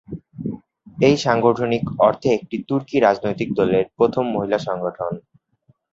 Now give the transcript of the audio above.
এটি সাংগঠনিক অর্থে একটি তুর্কি রাজনৈতিক দলের প্রথম মহিলা সংগঠন।